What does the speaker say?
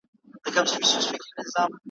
دا له کومو جنتونو یې راغلی ,